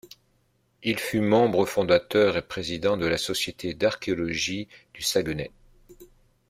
Il fut membre fondateur et président de la Société d’archéologie du Saguenay.